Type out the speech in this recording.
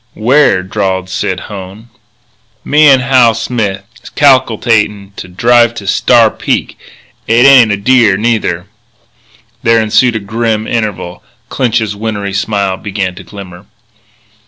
"Where?" drawled Sid Hone. "Me an' Hal Smith is cal'kalatin' to drive Star Peak. It ain't a deer, neither." There ensued a grim interval. Clinch's wintry smile began to glimmer.